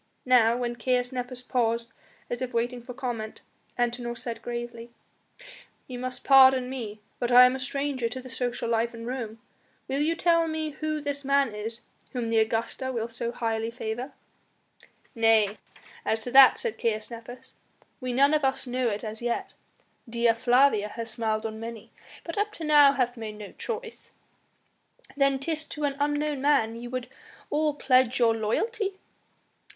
Now, when Nepos paused as if waiting for comment, Antinor said gravely: "Ye must pardon me, but I am a stranger to the social life in Rome. Will you tell me who this man is whom the Augusta will so highly favour?" "Nay, as to that," said Caius Nepos, "we none of us know it as yet! Dea Flavia has smiled on many, but up to now hath made no choice." "Then 'tis to an unknown man ye would all pledge your loyalty?"